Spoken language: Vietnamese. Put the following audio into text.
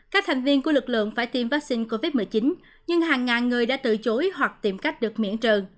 các thành viên của lực lượng phải tiêm vaccine covid một mươi chín nhưng hàng ngàn người đã tự chối hoặc tiệm cách được miễn trường